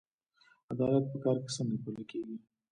عدالت په کار کې څنګه پلی کیږي؟